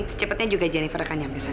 secepatnya juga jennifer akan nyampe sana